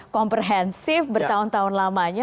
komprehensif bertahun tahun lamanya